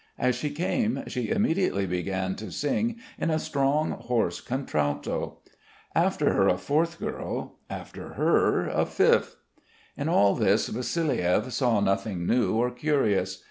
As she came she immediately began to sing in a strong hoarse contralto. After her a fourth girl. After her a fifth. In all this Vassiliev saw nothing new or curious.